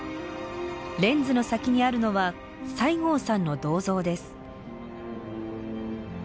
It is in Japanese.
レンズの先にあるのは西郷さんの銅像です。